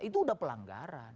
itu sudah pelanggaran